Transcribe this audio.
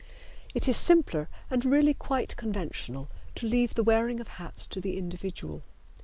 It is simpler and really quite conventional to leave the wearing of hats to the individual.